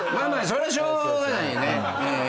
それはしょうがない。